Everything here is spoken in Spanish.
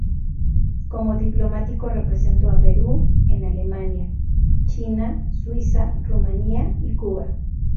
Como diplomático representó a Perú en Alemania, China, Suiza, Rumanía y Cuba.